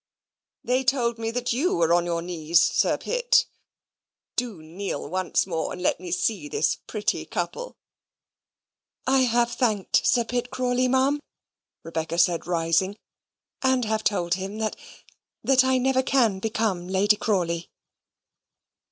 "They told me that YOU were on your knees, Sir Pitt: do kneel once more, and let me see this pretty couple!" "I have thanked Sir Pitt Crawley, Ma'am," Rebecca said, rising, "and have told him that that I never can become Lady Crawley."